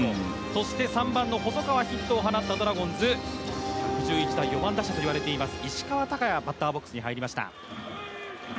そして３番の細川、ヒットを放ったドラゴンズ４番打者、石川昂弥バッターボックスに入りました。